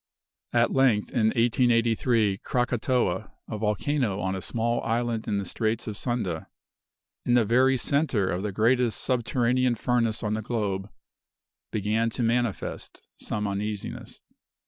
At length, in 1883, Krakatoa, a volcano on a small island in the Straits of Sunda, in the very center of the greatest subterranean furnace on the globe, began to manifest some uneasiness.